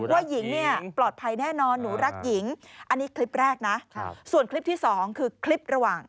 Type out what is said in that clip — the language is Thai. ว่าหญิงเนี่ยปลอดภัยแน่นอนหนูรักหญิงอันนี้คลิปแรกนะส่วนคลิปที่สองคือคลิประหว่าง